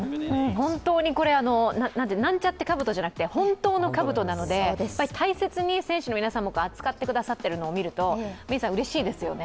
本当にこれ、なんちゃってかぶとじゃなくて、本当のかぶとなので、大切に選手の皆さんも扱ってくださっているのを見るとうれしいですよね。